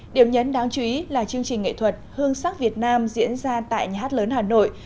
điểm nhấn đáng chú ý là chương trình nghệ thuật hương sắc việt nam diễn ra tại nhà hát lớn hà nội